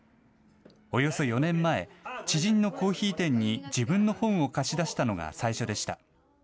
およそ４年前、知人のコーヒー店に自分の本を貸し出したのが最初でした。